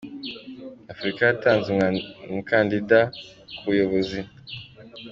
Afurika yatanze umukandida ku buyobozi